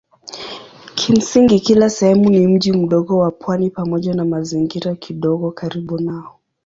Kimsingi kila sehemu ni mji mdogo wa pwani pamoja na mazingira kidogo karibu nao.